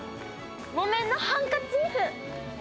『木綿のハンカチーフ』！